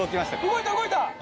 動いた動いた！